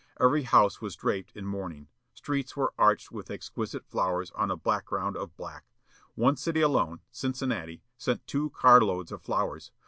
Every house was draped in mourning. Streets were arched with exquisite flowers on a background of black. One city alone, Cincinnati, sent two carloads of flowers.